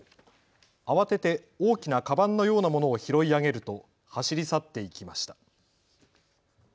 慌てて大きなかばんのようなものを拾い上げると走り去っていきました。